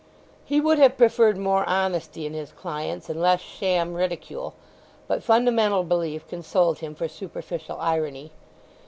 He would have preferred more honesty in his clients, and less sham ridicule; but fundamental belief consoled him for superficial irony.